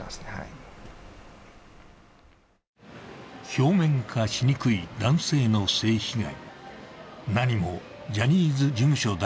表面化しにくい男性の性被害。